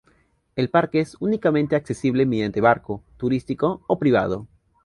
El parque es únicamente accesible mediante barco turístico o privado.